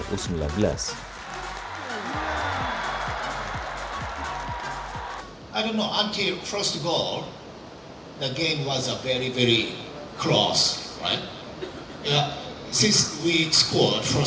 pertandingan pertama pertandingan itu sangat sangat keras